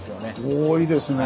多いですね。